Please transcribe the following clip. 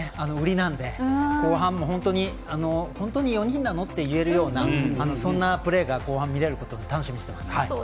なんで後半も本当に４人なの？っていえるようなプレーが後半、見れることを楽しみにしています。